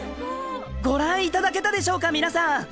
ご覧いただけたでしょうか皆さん！